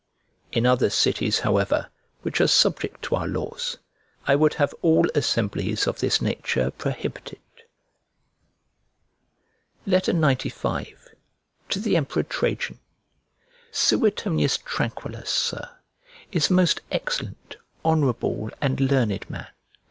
In other cities, however, which are subject to our laws, I would have all assemblies of this nature prohibited. XCV To THE EMPEROR TRAJAN SUETONIUS TRANQUILLUS, Sir, is a most excellent, honour able, and learned man.